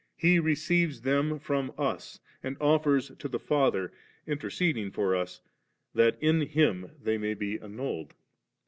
He receives them from us and offers to the Father*, interceding for us, that in Him tiiey may be annulled 3.